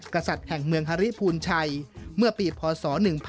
กษัตริย์แห่งเมืองฮาริภูลชัยเมื่อปีพศ๑๕